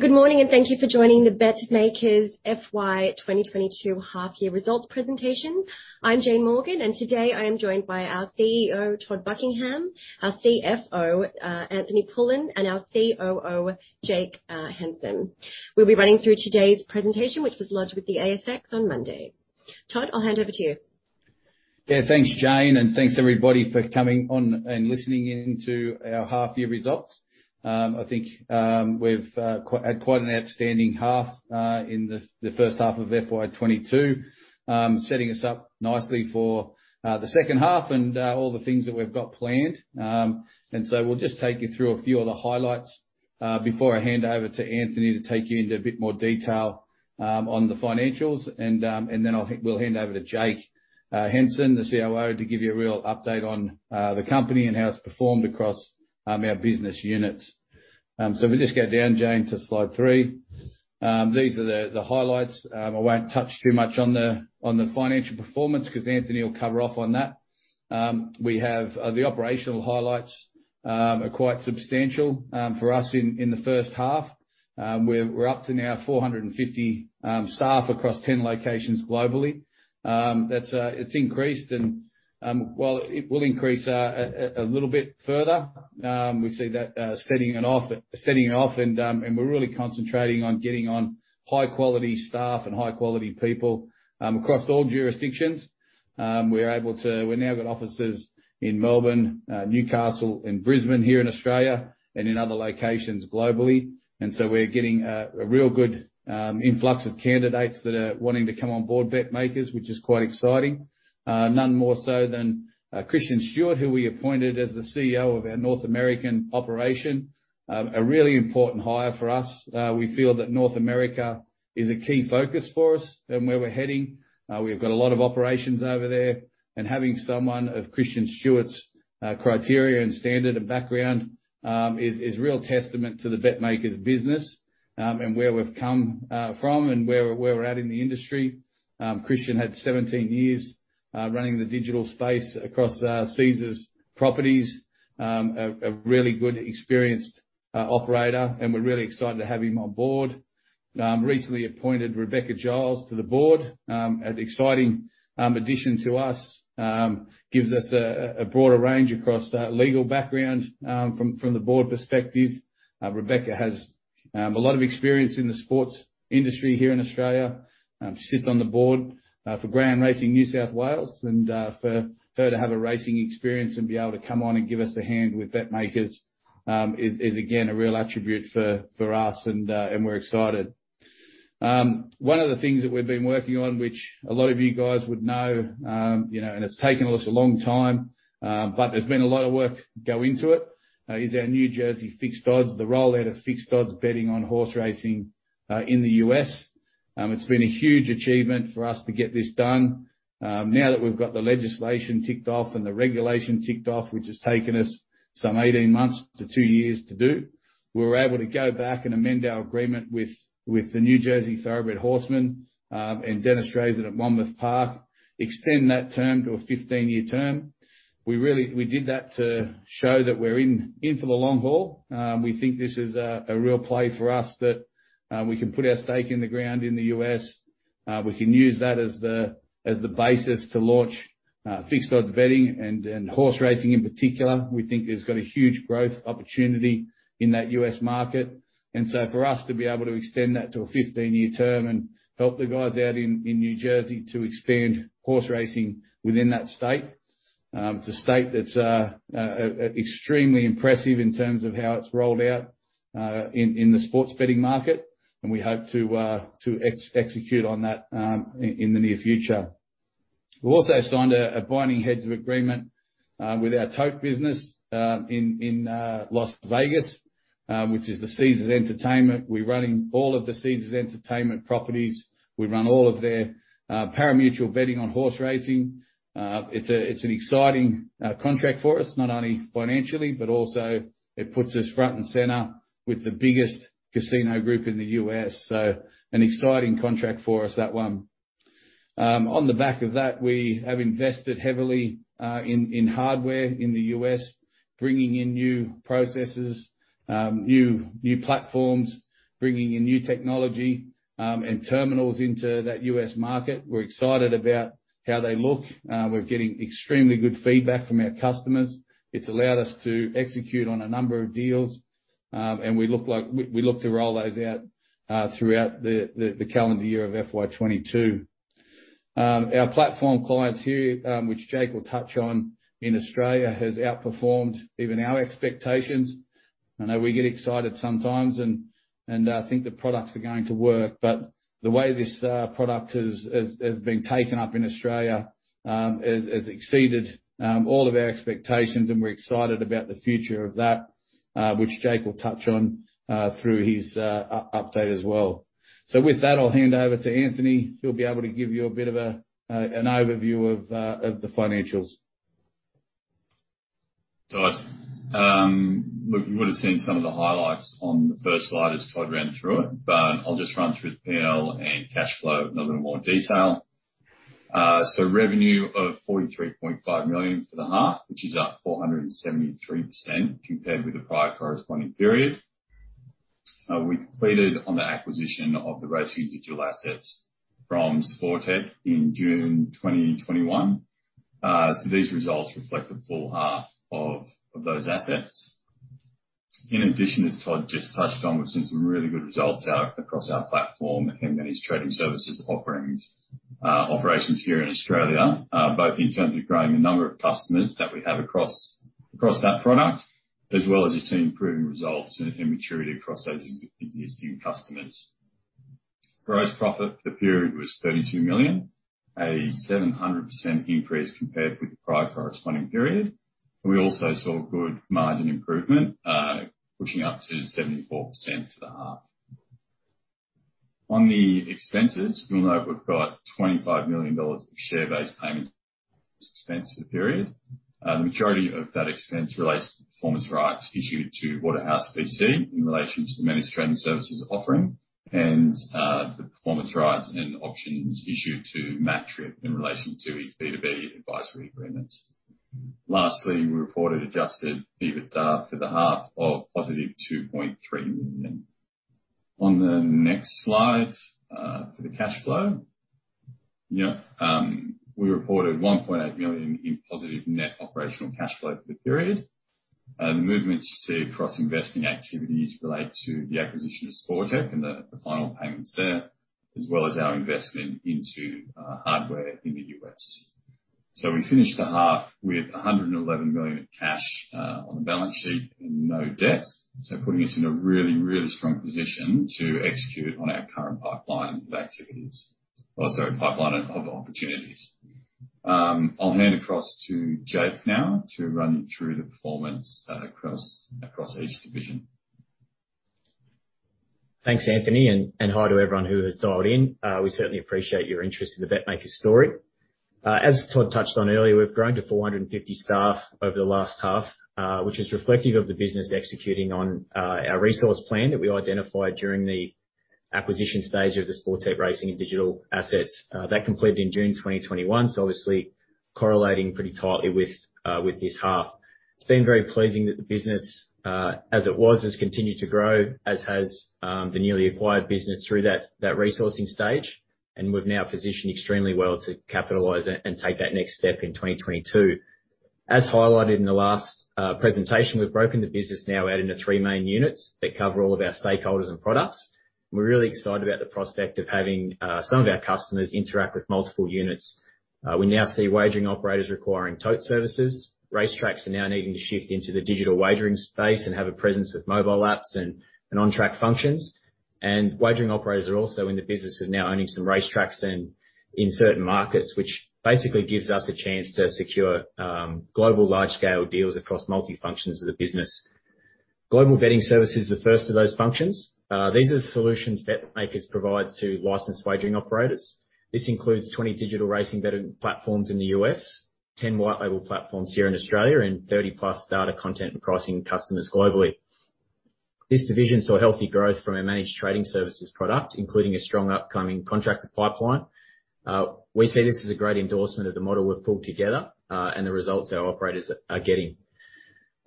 Good morning, and thank you for joining the BetMakers FY 2022 half year results presentation. I'm Jane Morgan, and today I am joined by our CEO, Todd Buckingham, our CFO, Anthony Pullin, and our COO, Jake Henson. We'll be running through today's presentation, which was lodged with the ASX on Monday. Todd, I'll hand over to you. Yeah, thanks, Jane, and thanks, everybody, for coming on and listening in to our half-year results. I think we've had quite an outstanding half in the first half of FY 2022, setting us up nicely for the second half and all the things that we've got planned. We'll just take you through a few of the highlights before I hand over to Anthony to take you into a bit more detail on the financials. I think we'll hand over to Jake Henson, the COO, to give you a real update on the company and how it's performed across our business units. If we just go down, Jane, to slide three. These are the highlights. I won't touch too much on the financial performance, 'cause Anthony will cover off on that. We have the operational highlights are quite substantial for us in the first half. We're up to now 450 staff across 10 locations globally. It's increased, and well, it will increase a little bit further. We see that setting off, and we're really concentrating on getting on high quality staff and high quality people across all jurisdictions. We've now got offices in Melbourne, Newcastle and Brisbane here in Australia and in other locations globally. We're getting a real good influx of candidates that are wanting to come on board BetMakers, which is quite exciting. None more so than Christian Stuart, who we appointed as the CEO of our North American operation. A really important hire for us. We feel that North America is a key focus for us and where we're heading. We've got a lot of operations over there, and having someone of Christian Stuart's criteria and standard and background is real testament to the BetMakers business, and where we've come from and where we're at in the industry. Christian had 17 years running the digital space across Caesars Properties. A really good experienced operator, and we're really excited to have him on board. Recently appointed Rebekah Giles to the Board. An exciting addition to us. Gives us a broader range across legal background from the board perspective. Rebekah has a lot of experience in the sports industry here in Australia. She sits on the Board for Greyhound Racing New South Wales. For her to have a racing experience and be able to come on and give us a hand with BetMakers is again a real attribute for us, and we're excited. One of the things that we've been working on, which a lot of you guys would know, you know, and it's taken us a long time, but there's been a lot of work go into it, is our New Jersey fixed odds, the rollout of fixed odds betting on horse racing in the U.S. It's been a huge achievement for us to get this done. Now that we've got the legislation ticked off and the regulation ticked off, which has taken us some 18 months to two years to do, we were able to go back and amend our agreement with the New Jersey Thoroughbred Horsemen and Dennis Drazin at Monmouth Park, extend that term to a 15-year term. We did that to show that we're in for the long haul. We think this is a real play for us that we can put our stake in the ground in the U.S. We can use that as the basis to launch fixed odds betting, and horse racing in particular, we think has got a huge growth opportunity in that U.S. market. For us to be able to extend that to a 15-year term and help the guys out in New Jersey to expand horse racing within that state. It's a state that's extremely impressive in terms of how it's rolled out in the sports betting market, and we hope to execute on that in the near future. We've also signed a binding heads of agreement with our tote business in Las Vegas, which is the Caesars Entertainment. We're running all of the Caesars Entertainment properties. We run all of their pari-mutuel betting on horse racing. It's an exciting contract for us, not only financially, but also it puts us front and center with the biggest casino group in the U.S. An exciting contract for us, that one. On the back of that, we have invested heavily in hardware in the U.S., bringing in new processes, new platforms, bringing in new technology, and terminals into that U.S. market. We're excited about how they look. We're getting extremely good feedback from our customers. It's allowed us to execute on a number of deals, and we look to roll those out throughout the calendar year of FY 2022. Our platform clients here, which Jake will touch on, in Australia has outperformed even our expectations. I know we get excited sometimes and think the products are going to work, but the way this product has been taken up in Australia has exceeded all of our expectations, and we're excited about the future of that, which Jake will touch on through his update as well. With that, I'll hand over to Anthony, who'll be able to give you a bit of an overview of the financials. We would've seen some of the highlights on the first slide as Todd ran through it, but I'll just run through the P&L and cash flow in a little more detail. Revenue of 43.5 million Australian dollar for the half, which is up 473% compared with the prior corresponding period. We completed on the acquisition of the Racing and Digital assets from Sportech in June 2021. These results reflect the full half of those assets. In addition, as Todd just touched on, we've seen some really good results out across our platform and Managed Trading Services offerings, operations here in Australia, both in terms of growing the number of customers that we have across that product, as well as you're seeing improving results and maturity across those existing customers. Gross profit for the period was 32 million Australian dollar, a 700% increase compared with the prior corresponding period. We also saw good margin improvement, pushing up to 74% for the half. On the expenses, you'll know we've got 25 million Australian dollar of share-based payments expense for the period. The majority of that expense relates to performance rights issued to Waterhouse VC in relation to the Managed Trading Services offering and the performance rights and options issued to Matt Tripp in relation to his B2B advisory agreement. Lastly, we reported adjusted EBITDA for the half of +2.3 million Australian dollar. On the next slide, for the cash flow. We reported 1.8 million Australian dollar in positive net operational cash flow for the period. The movements you see across investing activities relate to the acquisition of Sportech and the final payments there, as well as our investment into hardware in the U.S. So we finished the half with 111 million Australian dollar of cash on the balance sheet and no debt. Putting us in a really, really strong position to execute on our current pipeline of activities. Oh, sorry, pipeline of opportunities. I'll hand across to Jake now to run you through the performance across each division. Thanks, Anthony, and hi to everyone who has dialed in. We certainly appreciate your interest in the BetMakers story. As Todd touched on earlier, we've grown to 450 staff over the last half, which is reflective of the business executing on our resource plan that we identified during the acquisition stage of the Sportech Racing and Digital assets. That completed in June 2021, so obviously correlating pretty tightly with this half. It's been very pleasing that the business, as it was, has continued to grow, as has the newly acquired business through that resourcing stage, and we've now positioned extremely well to capitalize it and take that next step in 2022. As highlighted in the last presentation, we've broken the business now out into three main units that cover all of our stakeholders and products. We're really excited about the prospect of having some of our customers interact with multiple units. We now see wagering operators requiring Tote Services. Racetracks are now needing to shift into the digital wagering space and have a presence with mobile apps and on-track functions. Wagering operators are also in the business of now owning some racetracks and in certain markets, which basically gives us a chance to secure global large-scale deals across multi functions of the business. Global Betting Services is the first of those functions. These are solutions BetMakers provides to licensed wagering operators. This includes 20 digital racing betting platforms in the U.S., 10 white label platforms here in Australia, and 30+ data content and pricing customers globally. This division saw healthy growth from our Managed Trading Services product, including a strong upcoming contracted pipeline. We see this as a great endorsement of the model we've pulled together, and the results our operators are getting.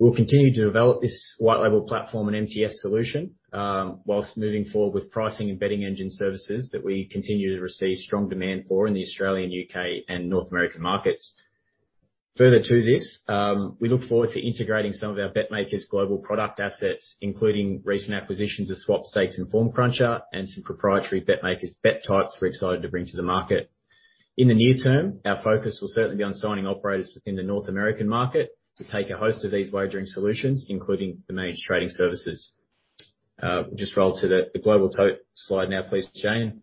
We'll continue to develop this white label platform and MTS solution, whilst moving forward with pricing and betting engine services that we continue to receive strong demand for in the Australian, U.K., and North American markets. Further to this, we look forward to integrating some of our BetMakers global product assets, including recent acquisitions of Swopstakes and Form Cruncher, and some proprietary BetMakers bet types we're excited to bring to the market. In the near term, our focus will certainly be on signing operators within the North American market to take a host of these wagering solutions, including the Managed Trading Services. Just roll to the Global Tote slide now, please, Jane.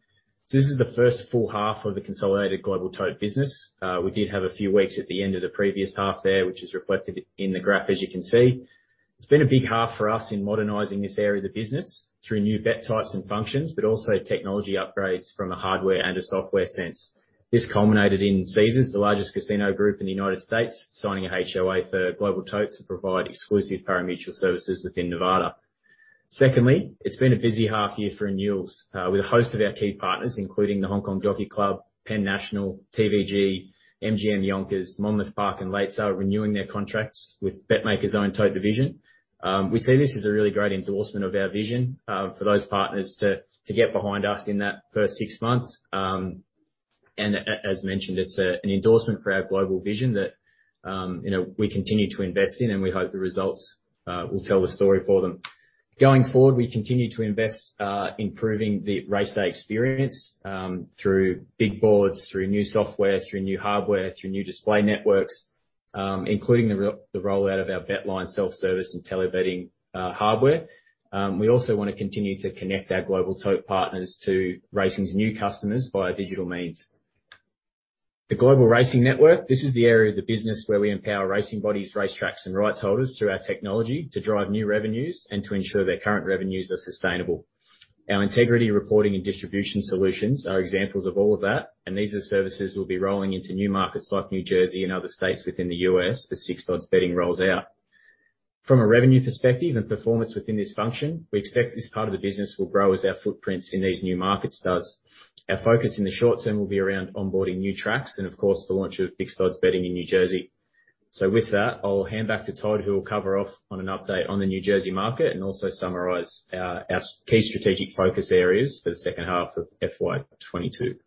This is the first full half of the consolidated Global Tote business. We did have a few weeks at the end of the previous half there, which is reflected in the graph, as you can see. It's been a big half for us in modernizing this area of the business through new bet types and functions, but also technology upgrades from a hardware and a software sense. This culminated in Caesars, the largest casino group in the United States, signing a HOA for Global Tote to provide exclusive pari-mutuel services within Nevada. Secondly, it's been a busy half year for renewals with a host of our key partners, including The Hong Kong Jockey Club, PENN Entertainment, TVG, MGM Yonkers, Monmouth Park, and [Latse] are renewing their contracts with BetMakers' own Tote division. We see this as a really great endorsement of our vision for those partners to get behind us in that first six months. As mentioned, it's an endorsement for our global vision that you know we continue to invest in, and we hope the results will tell the story for them. Going forward, we continue to invest improving the race day experience through big boards, through new software, through new hardware, through new display networks, including the rollout of our BetLine self-service and telebetting hardware. We also wanna continue to connect our Global Tote partners to racing's new customers via digital means. The Global Racing Network, this is the area of the business where we empower racing bodies, racetracks, and rights holders through our technology to drive new revenues and to ensure their current revenues are sustainable. Our integrity reporting and distribution solutions are examples of all of that, and these are services we'll be rolling into new markets like New Jersey and other states within the U.S. as fixed-odds betting rolls out. From a revenue perspective and performance within this function, we expect this part of the business will grow as our footprints in these new markets does. Our focus in the short term will be around onboarding new tracks and, of course, the launch of fixed odds betting in New Jersey. With that, I'll hand back to Todd, who will cover off on an update on the New Jersey market and also summarize our key strategic focus areas for the second half of FY 2022.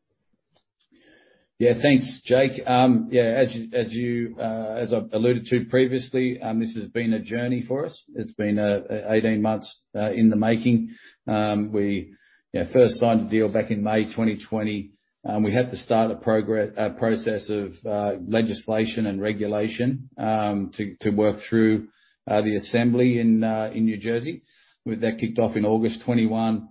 Yeah. Thanks, Jake. Yeah, as I've alluded to previously, this has been a journey for us. It's been 18 months in the making. We, you know, first signed the deal back in May 2020. We had to start a process of legislation and regulation to work through the assembly in New Jersey. Well, that kicked off in August 2021.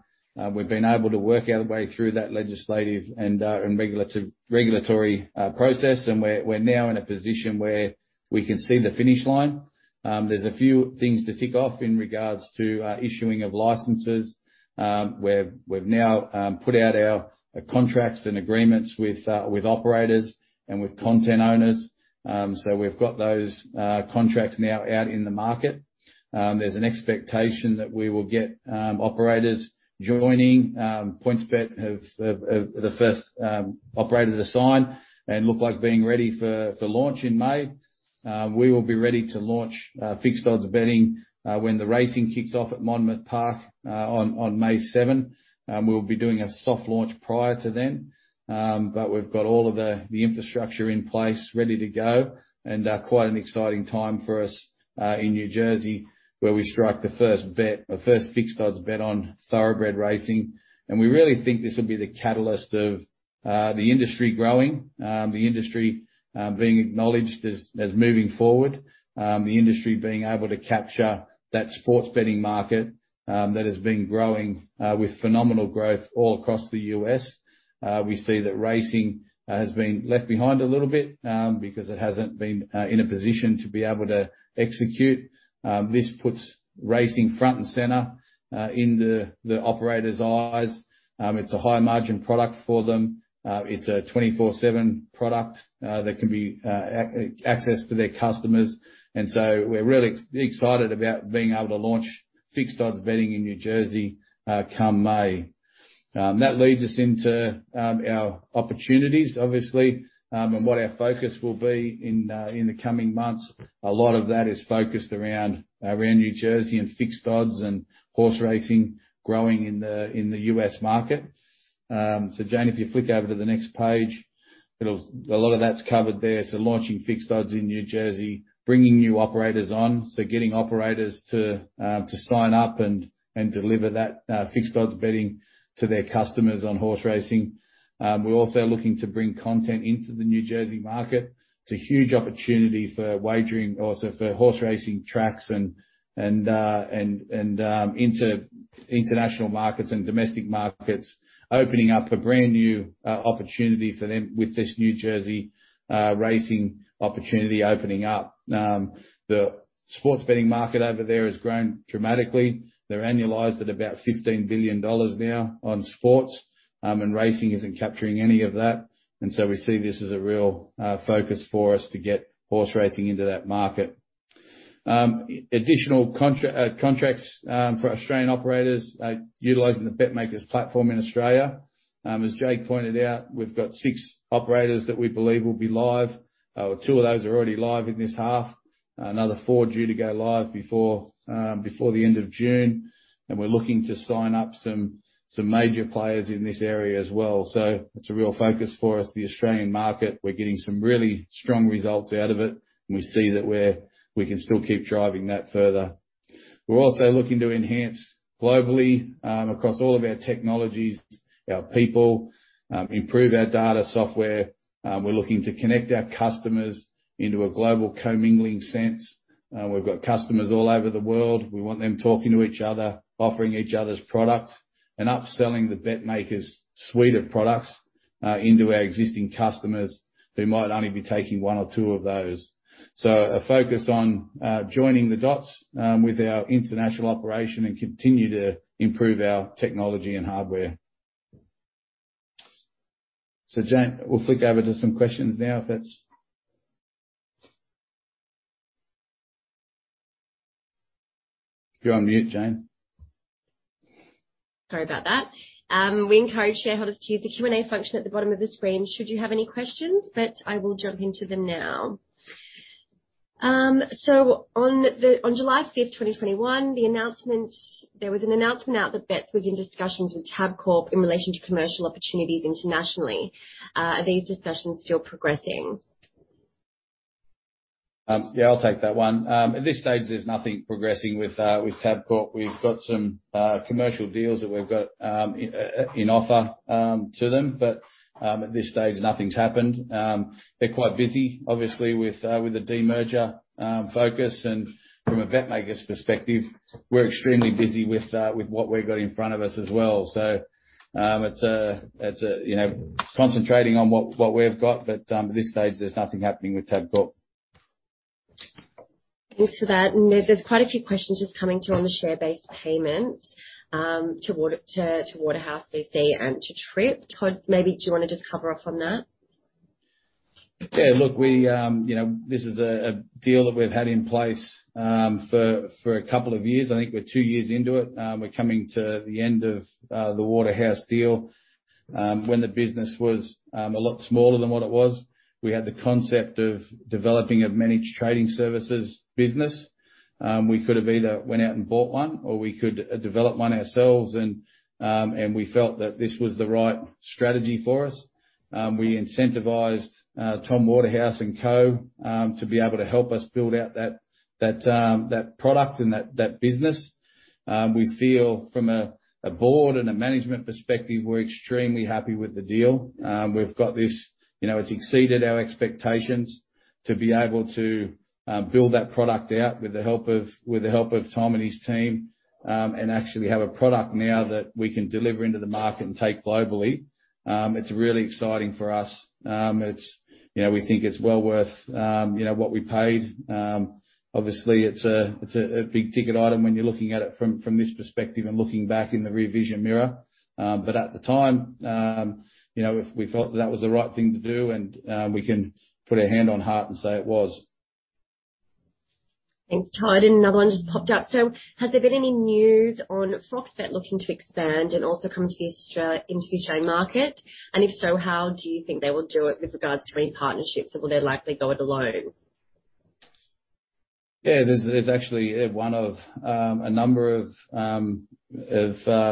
We've been able to work our way through that legislative and regulatory process, and we're now in a position where we can see the finish line. There's a few things to tick off in regards to issuing of licenses. We've now put out our contracts and agreements with operators and with content owners. We've got those contracts now out in the market. There's an expectation that we will get operators joining. PointsBet are the first operator to sign and look like being ready for launch in May. We will be ready to launch fixed odds betting when the racing kicks off at Monmouth Park on May 7. We'll be doing a soft launch prior to then. We've got all of the infrastructure in place ready to go and quite an exciting time for us in New Jersey, where we strike the first bet, the first fixed odds bet on Thoroughbred racing. We really think this will be the catalyst of the industry growing, the industry being acknowledged as moving forward, the industry being able to capture that sports betting market that has been growing with phenomenal growth all across the U.S. We see that racing has been left behind a little bit because it hasn't been in a position to be able to execute. This puts racing front and center in the operators' eyes. It's a high margin product for them. It's a 24/7 product that can be accessed for their customers. We're really excited about being able to launch fixed odds betting in New Jersey come May. That leads us into our opportunities, obviously, and what our focus will be in the coming months. A lot of that is focused around New Jersey and fixed odds and horse racing growing in the U.S. market. Jane, if you flick over to the next page, it'll a lot of that's covered there. Launching fixed odds in New Jersey, bringing new operators on, getting operators to sign up and deliver that fixed odds betting to their customers on horse racing. We're also looking to bring content into the New Jersey market. It's a huge opportunity for wagering, also for horse racing tracks and international markets and domestic markets, opening up a brand new opportunity for them with this New Jersey racing opportunity opening up. The sports betting market over there has grown dramatically. They're annualized at about $15 billion now on sports, and racing isn't capturing any of that. We see this as a real focus for us to get horse racing into that market. Additional contracts for Australian operators are utilizing the BetMakers platform in Australia. As Jake pointed out, we've got six operators that we believe will be live. Two of those are already live in this half. Another four due to go live before the end of June. We're looking to sign up some major players in this area as well. It's a real focus for us. The Australian market, we're getting some really strong results out of it. We see that we can still keep driving that further. We're also looking to enhance globally, across all of our technologies, our people, improve our data software. We're looking to connect our customers into a global commingling sense. We've got customers all over the world. We want them talking to each other, offering each other's products, and upselling the BetMakers suite of products into our existing customers who might only be taking one or two of those. A focus on joining the dots with our international operation and continue to improve our technology and hardware. Jane, we'll flick over to some questions now, if that's all. You're on mute, Jane. Sorry about that. We encourage shareholders to use the Q&A function at the bottom of the screen, should you have any questions, but I will jump into them now. On July 5th, 2021, there was an announcement out that BetMakers was in discussions with Tabcorp in relation to commercial opportunities internationally. Are these discussions still progressing? Yeah, I'll take that one. At this stage, there's nothing progressing with Tabcorp. We've got some commercial deals that we've got on offer to them, but at this stage, nothing's happened. They're quite busy, obviously, with the demerger focus, and from a BetMakers perspective, we're extremely busy with what we've got in front of us as well. It's you know, concentrating on what we've got, but at this stage, there's nothing happening with Tabcorp. Thanks for that. There's quite a few questions just coming through on the share-based payments to Waterhouse VC and to Tripp. Todd, maybe do you wanna just cover off on that? Yeah, look, we you know this is a deal that we've had in place for a couple of years. I think we're two years into it. We're coming to the end of the Waterhouse deal. When the business was a lot smaller than what it was, we had the concept of developing a Managed Trading Services business. We could have either went out and bought one or we could develop one ourselves, and we felt that this was the right strategy for us. We incentivized Tom Waterhouse and Co. to be able to help us build out that product and that business. We feel from a board and a management perspective, we're extremely happy with the deal. We've got this. You know, it's exceeded our expectations to be able to build that product out with the help of Tom and his team, and actually have a product now that we can deliver into the market and take globally. It's really exciting for us. It's, you know, we think it's well worth what we paid. Obviously it's a big ticket item when you're looking at it from this perspective and looking back in the rear vision mirror. But at the time, you know, we felt that was the right thing to do, and we can put our hand on heart and say it was. Thanks, Todd. Another one just popped up. Has there been any news on Fox Bet looking to expand and also come into the Australian market? If so, how do you think they will do it with regards to any partnerships or will they likely go it alone? Yeah. There's actually one of a number of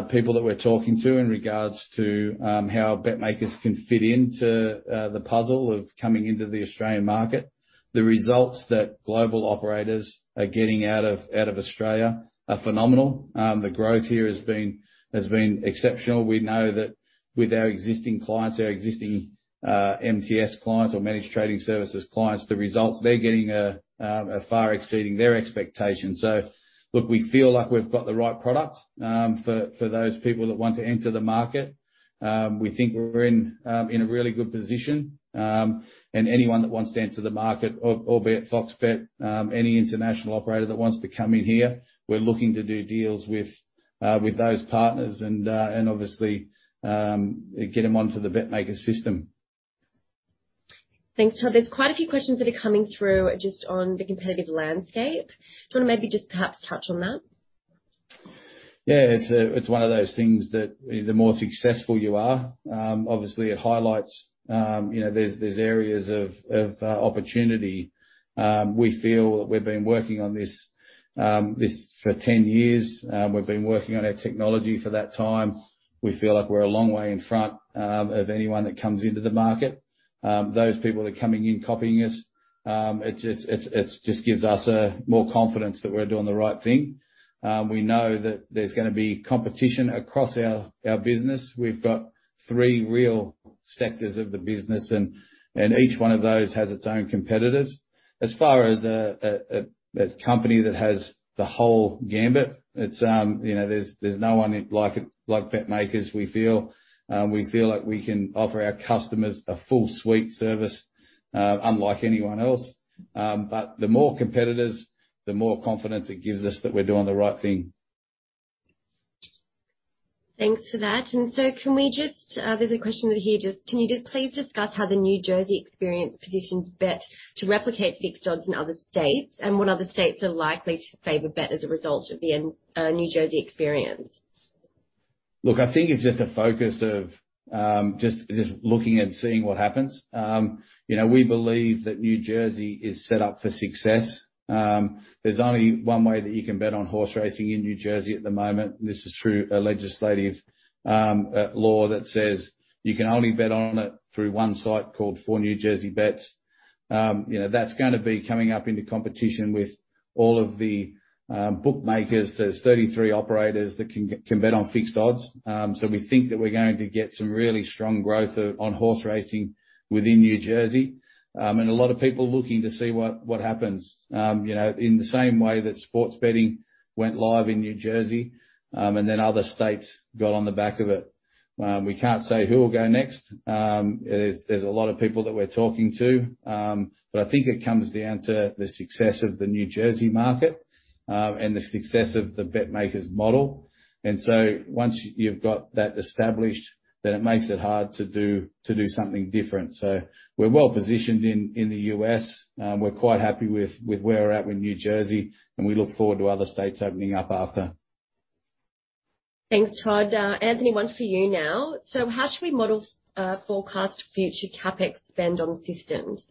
people that we're talking to in regards to how BetMakers can fit into the puzzle of coming into the Australian market. The results that global operators are getting out of Australia are phenomenal. The growth here has been exceptional. We know that with our existing clients, our MTS clients or Managed Trading Services clients, the results they're getting are far exceeding their expectations. Look, we feel like we've got the right product for those people that want to enter the market. We think we're in a really good position. Anyone that wants to enter the market, Fox Bet, any international operator that wants to come in here, we're looking to do deals with those partners and obviously get them onto the BetMakers system. Thanks, Todd. There's quite a few questions that are coming through just on the competitive landscape. Do you wanna maybe just perhaps touch on that? Yeah. It's one of those things that the more successful you are, obviously it highlights, you know, there's areas of opportunity. We feel that we've been working on this for 10 years. We've been working on our technology for that time. We feel like we're a long way in front of anyone that comes into the market. Those people are coming in copying us, it just gives us more confidence that we're doing the right thing. We know that there's gonna be competition across our business. We've got three real sectors of the business, and each one of those has its own competitors. As far as a company that has the whole gamut, it's, you know, there's no one like it, like BetMakers, we feel. We feel like we can offer our customers a full suite service, unlike anyone else. The more competitors, the more confidence it gives us that we're doing the right thing. Thanks for that. Can we just, there's a question in here just, can you just please discuss how the New Jersey experience positions Bet to replicate fixed odds in other states, and what other states are likely to favor Bet as a result of the New Jersey experience? Look, I think it's just a focus of just looking and seeing what happens. You know, we believe that New Jersey is set up for success. There's only one way that you can bet on horse racing in New Jersey at the moment, and this is through a legislative law that says you can only bet on it through one site called 4NJBets. You know, that's gonna be coming up into competition with all of the bookmakers. There's 33 operators that can bet on fixed odds. We think that we're going to get some really strong growth on horse racing within New Jersey. A lot of people are looking to see what happens, you know, in the same way that sports betting went live in New Jersey, and then other states got on the back of it. We can't say who will go next. There's a lot of people that we're talking to. But I think it comes down to the success of the New Jersey market and the success of the BetMakers model. Once you've got that established, then it makes it hard to do something different. We're well positioned in the U.S. We're quite happy with where we're at with New Jersey, and we look forward to other states opening up after. Thanks, Todd. Anthony, one for you now. How should we model forecast future CapEx spend on systems?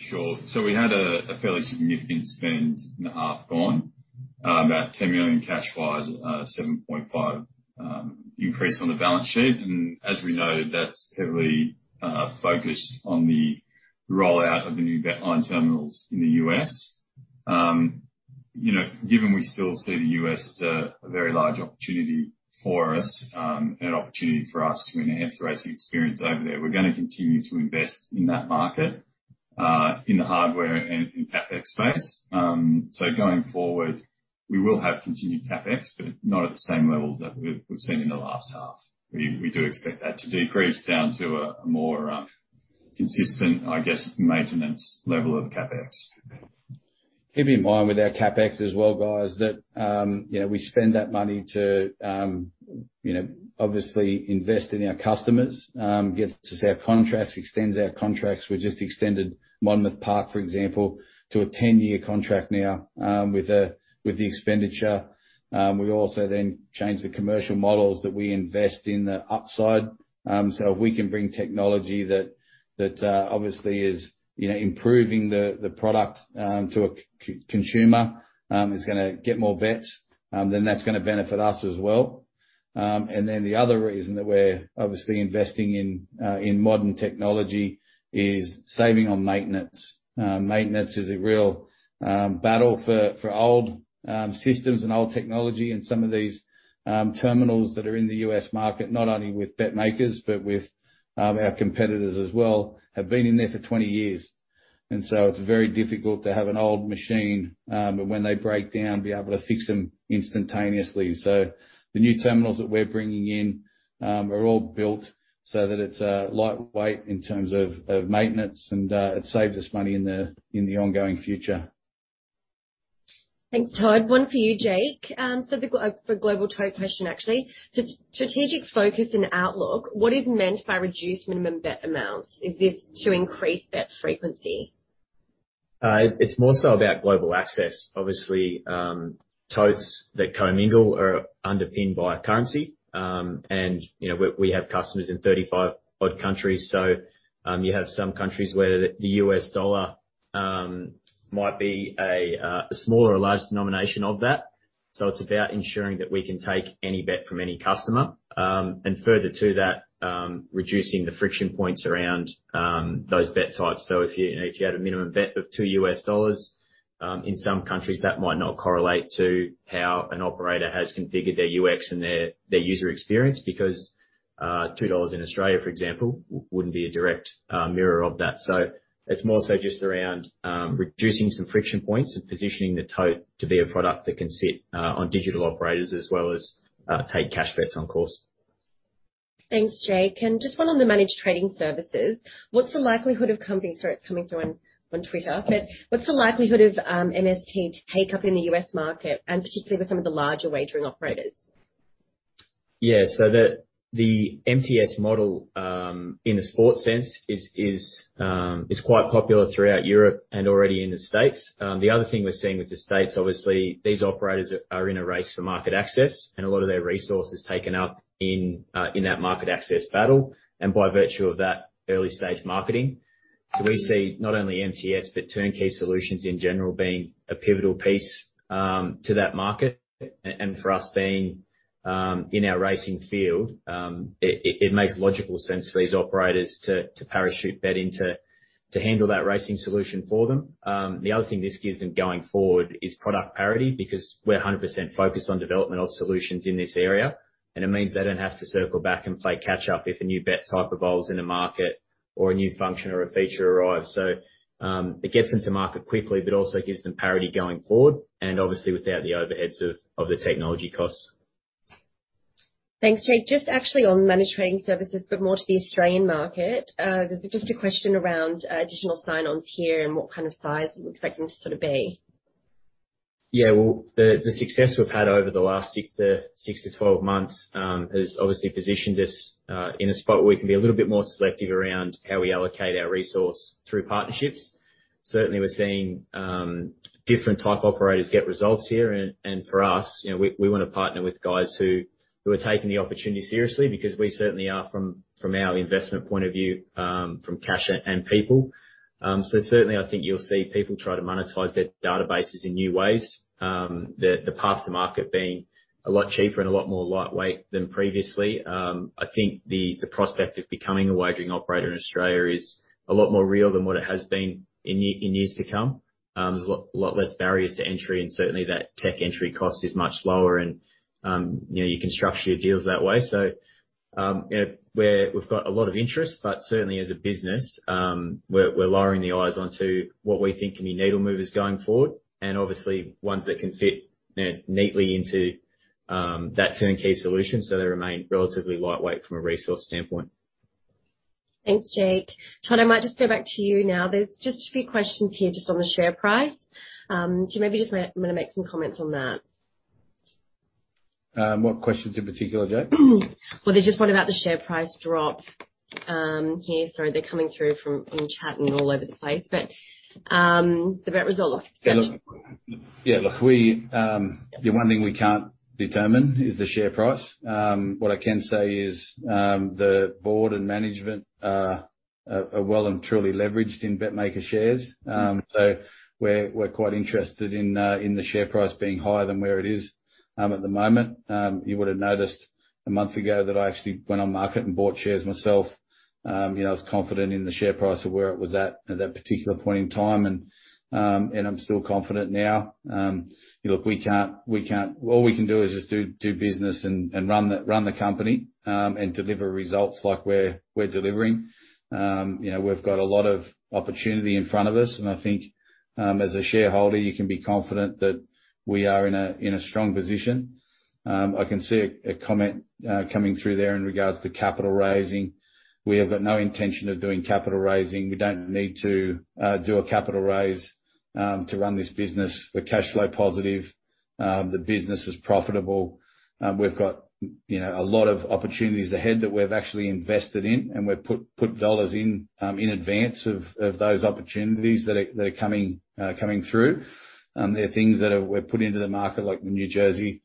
Sure. We had a fairly significant spend in the half gone, about 10 million Australian dollar cash wise, 7.5 million Australian dollar increase on the balance sheet. As we noted, that's heavily focused on the rollout of the new BetLine terminals in the U.S. You know, given we still see the U.S. as a very large opportunity for us, an opportunity for us to enhance the racing experience over there, we're gonna continue to invest in that market, in the hardware and in CapEx space. Going forward, we will have continued CapEx, but not at the same levels that we've seen in the last half. We do expect that to decrease down to a more consistent, I guess, maintenance level of CapEx. Keep in mind with our CapEx as well, guys, that you know, we spend that money to you know, obviously invest in our customers, gets us our contracts, extends our contracts. We just extended Monmouth Park, for example, to a 10-year contract now with the expenditure. We also change the commercial models that we invest in the upside. If we can bring technology that obviously is you know, improving the product to a consumer, is gonna get more bets, then that's gonna benefit us as well. The other reason that we're obviously investing in modern technology is saving on maintenance. Maintenance is a real battle for old systems and old technology, and some of these terminals that are in the U.S. market, not only with BetMakers but with our competitors as well, have been in there for 20 years. It's very difficult to have an old machine, and when they break down, be able to fix them instantaneously. The new terminals that we're bringing in are all built so that it's lightweight in terms of maintenance and it saves us money in the ongoing future. Thanks, Todd. One for you, Jake. It's a Global Tote question, actually. Strategic focus and outlook. What is meant by reduced minimum bet amounts? Is this to increase bet frequency? It's more so about global access. Obviously, totes that commingle are underpinned by currency. You know, we have customers in 35 odd countries. You have some countries where the U.S. dollar might be a small or a large denomination of that. It's about ensuring that we can take any bet from any customer, further to that, reducing the friction points around those bet types if you had a minimum bet of $2 in some countries, that might not correlate to how an operator has configured their UX and their user experience, because 2 Australian dollar in Australia, for example, wouldn't be a direct mirror of that. It's more so just around reducing some friction points and positioning the Tote to be a product that can sit on digital operators as well as take cash bets on course. Thanks, Jake. Just one on the Managed Trading Services. What's the likelihood of companies—Sorry, it's coming through on Twitter. What's the likelihood of MTS to take up in the U.S. market, and particularly with some of the larger wagering operators? The MTS model in a sports sense is quite popular throughout Europe and already in the States. The other thing we're seeing in the States, obviously, these operators are in a race for market access and a lot of their resources taken up in that market access battle, and by virtue of that, early-stage marketing. We see not only MTS, but turnkey solutions in general being a pivotal piece to that market. For us, being in our racing field, it makes logical sense for these operators to parachute BetMakers into, to handle that racing solution for them. The other thing this gives them going forward is product parity, because we're 100% focused on developmental solutions in this area, and it means they don't have to circle back and play catch up if a new bet type evolves in a market or a new function or a feature arrives. It gets them to market quickly, but also gives them parity going forward, and obviously without the overheads of the technology costs. Thanks, Jake. Just actually on Managed Trading Services, but more to the Australian market. There's just a question around additional sign-ons here and what kind of size are we expecting this to sort of be? Yeah. Well, the success we've had over the last six to 12 months has obviously positioned us in a spot where we can be a little bit more selective around how we allocate our resource through partnerships. Certainly, we're seeing different type operators get results here. For us, you know, we wanna partner with guys who are taking the opportunity seriously because we certainly are from our investment point of view, from cash and people. Certainly I think you'll see people try to monetize their databases in new ways. The path to market being a lot cheaper and a lot more lightweight than previously. I think the prospect of becoming a wagering operator in Australia is a lot more real than what it has been in years to come. There's a lot less barriers to entry, and certainly that tech entry cost is much lower and, you know, you can structure your deals that way. You know, we've got a lot of interest, but certainly as a business, we're lowering our eyes onto what we think can be needle movers going forward, and obviously ones that can fit, you know, neatly into that turnkey solution, so they remain relatively lightweight from a resource standpoint. Thanks, Jake. Todd, I might just go back to you now. There's just a few questions here just on the share price. Do you maybe just wanna make some comments on that? What questions in particular, Jane? Well, there's just one about the share price drop here. Sorry, they're coming through from chat and all over the place. The bet result loss. Gotcha. Yeah, look, the one thing we can't determine is the share price. What I can say is, the board and management are well and truly leveraged in BetMakers shares. We're quite interested in the share price being higher than where it is at the moment. You would have noticed a month ago that I actually went on market and bought shares myself. You know, I was confident in the share price of where it was at that particular point in time. I'm still confident now. Look, what we can do is just do business and run the company and deliver results like we're delivering. You know, we've got a lot of opportunity in front of us, and I think, as a shareholder, you can be confident that we are in a strong position. I can see a comment coming through there in regards to capital raising. We have got no intention of doing capital raising. We don't need to do a capital raise to run this business. We're cash flow positive. The business is profitable. You know, we've got a lot of opportunities ahead that we've actually invested in, and we've put dollars in in advance of those opportunities that are coming through. There are things that we're putting into the market, like the New Jersey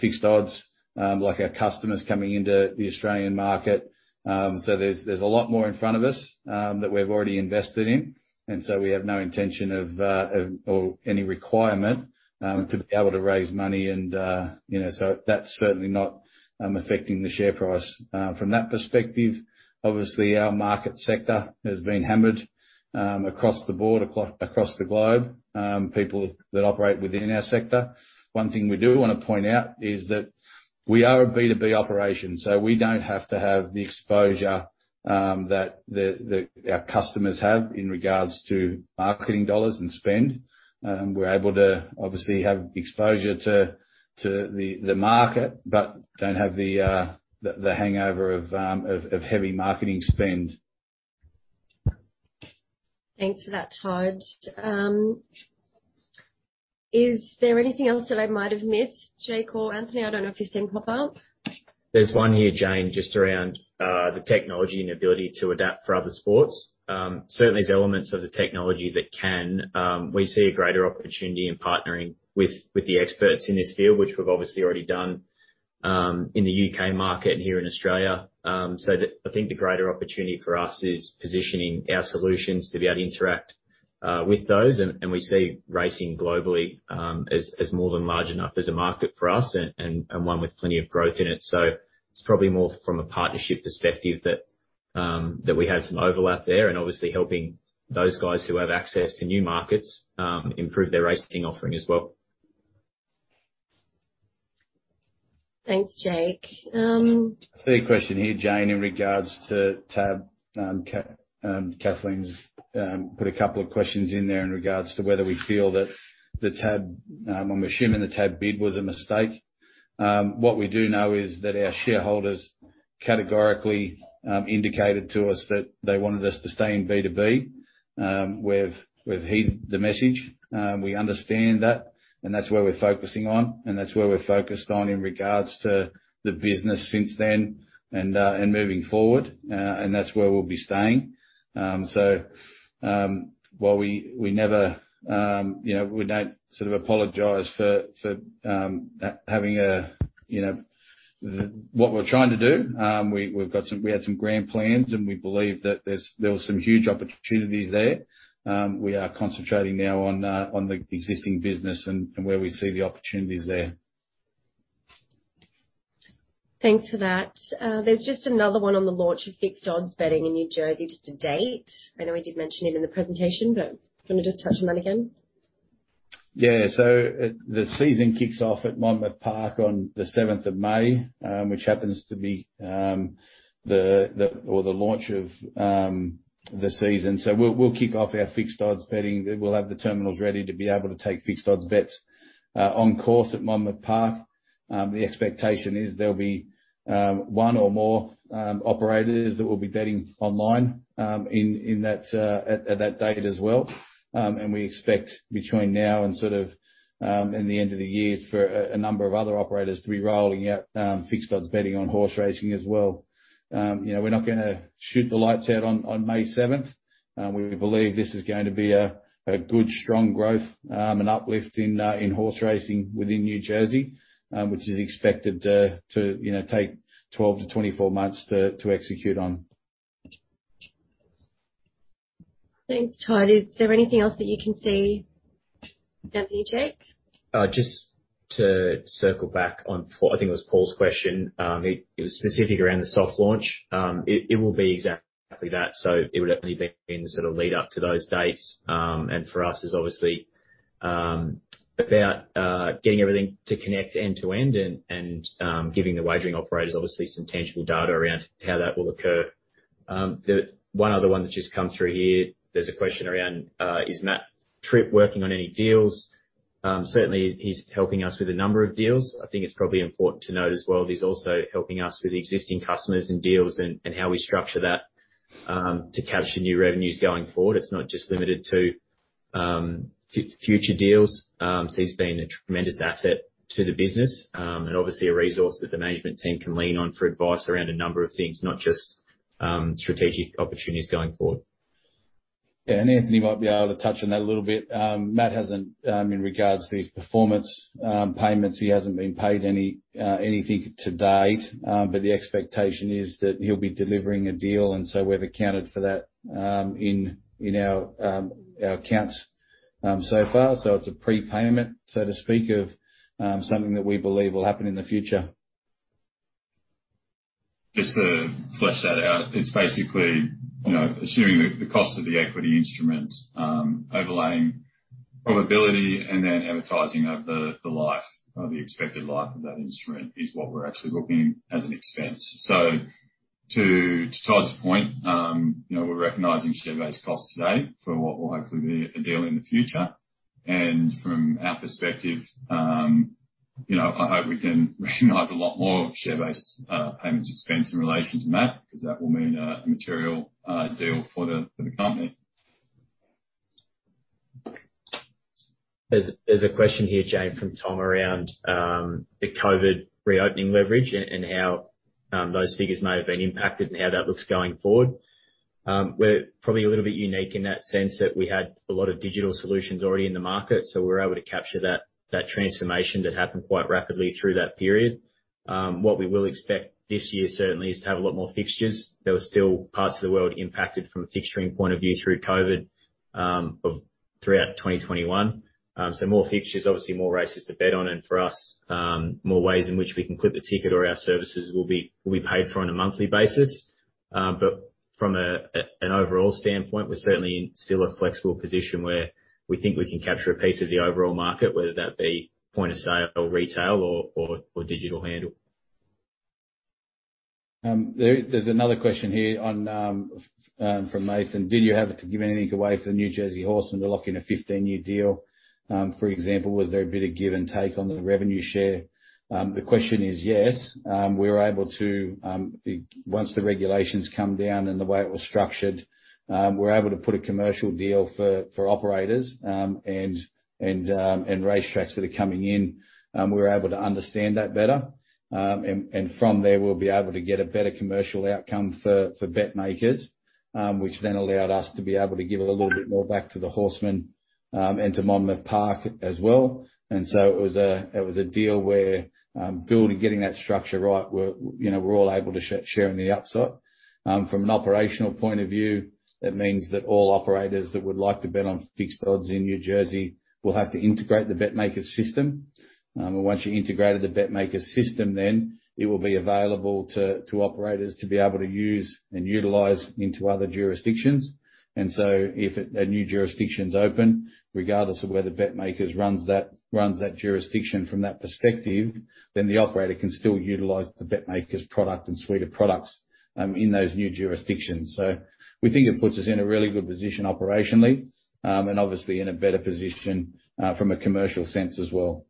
fixed odds, like our customers coming into the Australian market. There's a lot more in front of us that we've already invested in, and so we have no intention of or any requirement to be able to raise money and you know. That's certainly not affecting the share price from that perspective. Obviously, our market sector has been hammered across the board across the globe, people that operate within our sector. One thing we do wanna point out is that we are a B2B operation, so we don't have to have the exposure that our customers have in regards to marketing dollars and spend. We're able to, obviously, have exposure to the market but don't have the hangover of heavy marketing spend. Thanks for that, Todd. Is there anything else that I might have missed, Jake or Anthony? I don't know if you've seen pop up. There's one here, Jane, just around the technology and ability to adapt for other sports. Certainly there's elements of the technology that can. We see a greater opportunity in partnering with the experts in this field, which we've obviously already done, in the U.K. market and here in Australia. I think the greater opportunity for us is positioning our solutions to be able to interact with those. We see racing globally as more than large enough as a market for us and one with plenty of growth in it. It's probably more from a partnership perspective that we have some overlap there and obviously helping those guys who have access to new markets improve their racing offering as well. Thanks, Jake. I see a question here, Jane, in regards to Tab. Kathleen's put a couple of questions in there in regards to whether we feel that the Tab bid was a mistake. What we do know is that our shareholders categorically indicated to us that they wanted us to stay in B2B. We've heeded the message. We understand that, and that's where we're focusing on, and that's where we're focused on in regards to the business since then and moving forward. That's where we'll be staying. While we never, you know, we don't sort of apologize for having a, you know, what we're trying to do. We had some grand plans, and we believe that there were some huge opportunities there. We are concentrating now on the existing business and where we see the opportunities there. Thanks for that. There's just another one on the launch of fixed odds betting in New Jersey, just a date. I know we did mention it in the presentation, but can we just touch on that again? Yeah. The season kicks off at Monmouth Park on the 7th of May, which happens to be the launch of the season. We'll kick off our fixed odds betting. We'll have the terminals ready to be able to take fixed odds bets on course at Monmouth Park. The expectation is there'll be one or more operators that will be betting online on that date as well. We expect between now and sort of in the end of the year for a number of other operators to be rolling out fixed odds betting on horse racing as well. You know, we're not gonna shoot the lights out on May 7th. We believe this is going to be a good strong growth, an uplift in horse racing within New Jersey, which is expected to, you know, take 12-24 months to execute on. Thanks, Todd. Is there anything else that you can see, Anthony, Jake? Just to circle back on Paul, I think it was Paul's question. It was specific around the soft launch. It will be exactly that. It would only be in the sort of lead up to those dates, and for us is obviously about getting everything to connect end to end and giving the wagering operators obviously some tangible data around how that will occur. The one other one that's just come through here, there's a question around is Matt Tripp working on any deals? Certainly he's helping us with a number of deals. I think it's probably important to note as well that he's also helping us with existing customers and deals and how we structure that to capture new revenues going forward. It's not just limited to future deals. He's been a tremendous asset to the business, and obviously a resource that the management team can lean on for advice around a number of things, not just strategic opportunities going forward. Yeah, Anthony might be able to touch on that a little bit. Matt hasn't, in regards to his performance payments, he hasn't been paid anything to date, but the expectation is that he'll be delivering a deal, and so we've accounted for that in our accounts so far. It's a prepayment, so to speak, of something that we believe will happen in the future. Just to flesh that out, it's basically, you know, assuming the cost of the equity instrument, overlaying probability and then amortizing over the life or the expected life of that instrument is what we're actually booking as an expense. So to Todd's point, you know, we're recognizing share-based costs today for what will likely be a deal in the future. From our perspective, you know, I hope we can recognize a lot more share-based payments expense in relation to Matt, because that will mean a material deal for the company. There's a question here, Jane, from Tom around the COVID reopening leverage and how those figures may have been impacted and how that looks going forward. We're probably a little bit unique in that sense that we had a lot of digital solutions already in the market, so we're able to capture that transformation that happened quite rapidly through that period. What we will expect this year, certainly, is to have a lot more fixtures. There were still parts of the world impacted from a fixturing point of view through COVID throughout 2021. More fixtures, obviously more races to bet on. For us, more ways in which we can clip the ticket or our services will be paid for on a monthly basis. From an overall standpoint, we're certainly still in a flexible position where we think we can capture a piece of the overall market, whether that be point-of-sale, or retail or digital handle. There's another question here from Mason. Did you have to give anything away for the New Jersey horsemen to lock in a 15-year deal? For example, was there a bit of give and take on the revenue share? The question is, yes. We were able to, once the regulations come down and the way it was structured, we were able to put a commercial deal for operators and racetracks that are coming in. We were able to understand that better. From there, we'll be able to get a better commercial outcome for BetMakers, which then allowed us to be able to give a little bit more back to the horsemen and to Monmouth Park as well. It was a deal where getting that structure right, you know, we're all able to share in the upside. From an operational point of view, it means that all operators that would like to bet on fixed odds in New Jersey will have to integrate the BetMakers system. Once you integrated the BetMakers system, then it will be available to operators to be able to use and utilize into other jurisdictions. If a new jurisdiction is open, regardless of whether BetMakers runs that jurisdiction from that perspective, then the operator can still utilize the BetMakers product and suite of products in those new jurisdictions. We think it puts us in a really good position operationally and obviously in a better position from a commercial sense as well.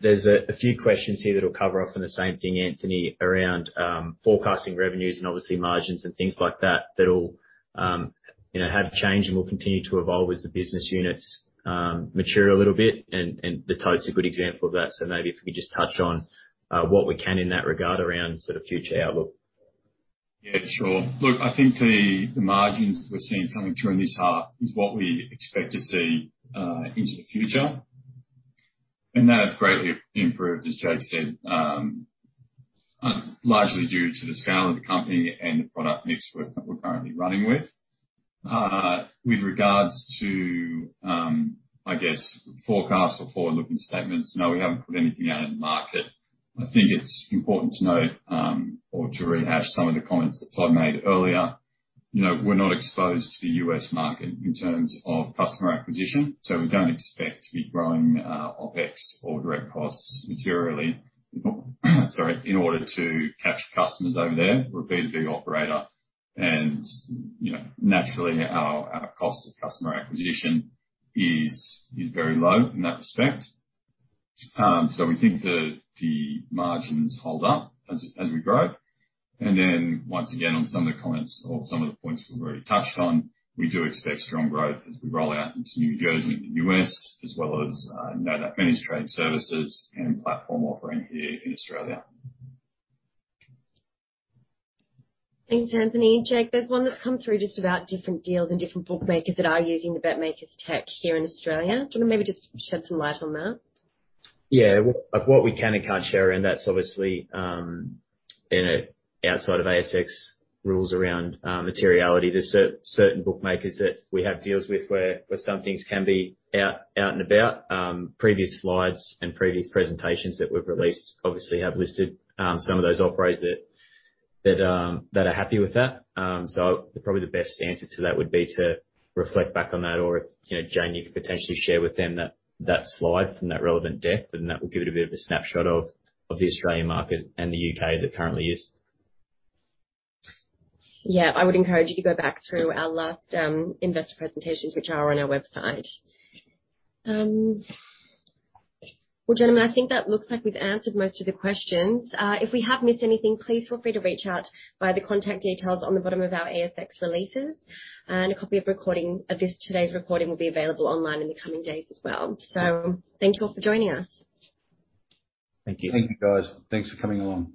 There's a few questions here that'll cover off on the same thing, Anthony, around forecasting revenues and obviously margins and things like that'll you know have changed and will continue to evolve as the business units mature a little bit. The tote's a good example of that. Maybe if we could just touch on what we can in that regard around sort of future outlook. Yeah, sure. Look, I think the margins we're seeing coming through in this half is what we expect to see into the future. That have greatly improved, as Jake said, largely due to the scale of the company and the product mix we're currently running with. With regards to, I guess, forecasts or forward-looking statements, no, we haven't put anything out in the market. I think it's important to note or to rehash some of the comments that Todd made earlier. You know, we're not exposed to the U.S. market in terms of customer acquisition, so we don't expect to be growing OpEx or direct costs materially, sorry, in order to capture customers over there. We're a B2B operator and, you know, naturally our cost of customer acquisition is very low in that respect. We think the margins hold up as we grow. Then once again, on some of the comments or some of the points we've already touched on, we do expect strong growth as we roll out into New Jersey and the U.S., as well as no doubt Managed Trading Services and platform offering here in Australia. Thanks, Anthony. Jake, there's one that's come through just about different deals and different bookmakers that are using the BetMakers tech here in Australia. Do you wanna maybe just shed some light on that? Yeah. Well, like what we can and can't share, and that's obviously, you know, outside of ASX rules around materiality. There's certain bookmakers that we have deals with where some things can be out and about. Previous slides and previous presentations that we've released obviously have listed some of those operators that are happy with that. Probably the best answer to that would be to reflect back on that. If you know Jane you could potentially share with them that slide from that relevant deck, then that will give it a bit of a snapshot of the Australian market and the U.K. as it currently is. Yeah. I would encourage you to go back through our last investor presentations, which are on our website. Well, gentlemen, I think that looks like we've answered most of the questions. If we have missed anything, please feel free to reach out via the contact details on the bottom of our ASX releases. A copy of recording of this, today's recording, will be available online in the coming days as well. Thank you all for joining us. Thank you. Thank you, guys. Thanks for coming along.